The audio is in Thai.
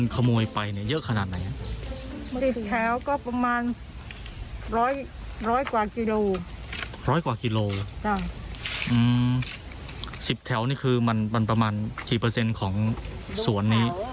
เกือบครึ่งสวน